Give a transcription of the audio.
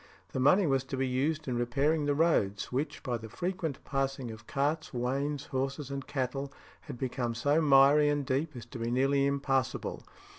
The money was to be used in repairing the roads, which, by the frequent passing of carts, wains, horses, and cattle, had become so miry and deep as to be nearly impassable.